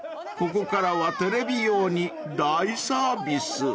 ここからはテレビ用に大サービス］